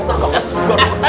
kok gak sedulur